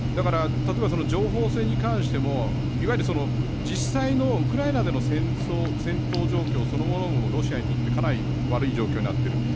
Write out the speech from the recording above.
例えば情報戦に関しても実際のウクライナでの戦闘状況そのものもロシアにとってかなり悪い状況になっている。